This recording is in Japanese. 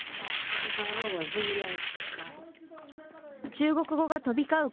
中国語が飛び交う